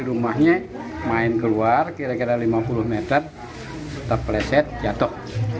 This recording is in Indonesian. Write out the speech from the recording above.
rumahnya main keluar kira kira lima puluh meter tetap leset jatuh